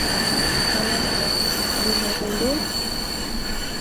Каласе: юмо уло?